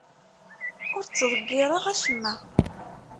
Ur ttḍeggireɣ acemma.